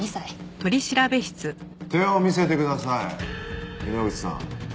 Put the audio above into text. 手を見せてください井ノ口さん。